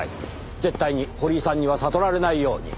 絶対に堀井さんには悟られないように。